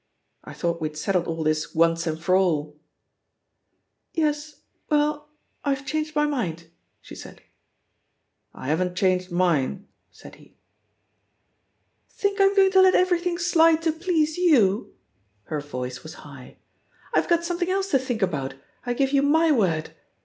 li •• I thought we had settled all this once and for alir "Yes — ^well, I've changed my mind,'* idie said.: I haven't changed mine/' said he. Think I'm going to let everything slide to please you?^* Her voice was high. "I've got something else to think about, I give you my word!